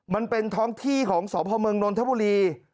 มันเป็นท้องที่ของสพมนนทบุรี